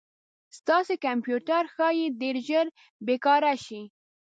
ستاسې کمپیوټر ښایي ډير ژر بې کاره شي